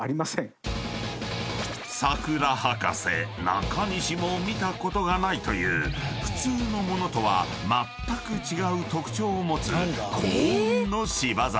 ［桜博士中西も見たことがないという普通の物とはまったく違う特徴を持つ幸運の芝桜］